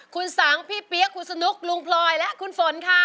คุณสังพี่เปี๊ยกคุณสนุกลุงพลอยและคุณฝนค่ะ